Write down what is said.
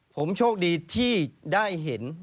ผมโชคดีที่ได้เห็น